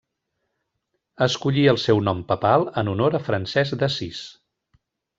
Escollí el seu nom papal en honor a Francesc d'Assís.